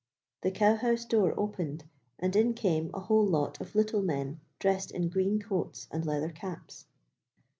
The cow house door opened and in came a whole lot of Little Men, dressed in green coats and leather caps.